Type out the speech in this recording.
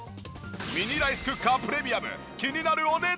ミニライスクッカープレミアム気になるお値段は？